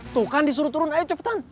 tuh kan disuruh turun aja cepetan